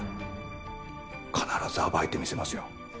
必ず暴いてみせますよ。